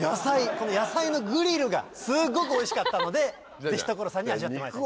この野菜のグリルがすっごくおいしかったのでぜひ所さんに味わってもらいたい。